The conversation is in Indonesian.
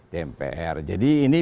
dpr jadi ini